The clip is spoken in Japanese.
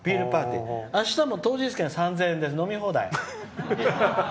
あしたも当日券３０００円で飲み放題。